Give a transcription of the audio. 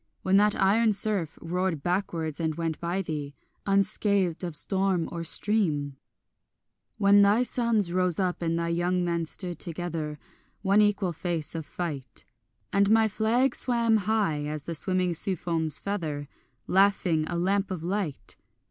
When that iron surf roared backwards and went by thee Unscathed of storm or stream: When thy sons rose up and thy young men stood together, One equal face of fight, And my flag swam high as the swimming sea foam's feather, Laughing, a lamp of light?